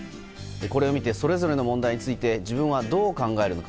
これを見てそれぞれの問題について自分はどう考えるのか。